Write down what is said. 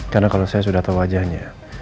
karena kalau saya sudah tahu wajahnya